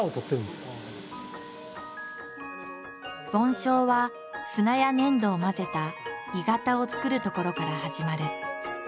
梵鐘は砂や粘土を混ぜた鋳型をつくるところから始まる。